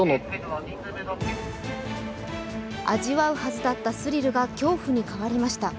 味わうはずだったスリルが恐怖に変わりました。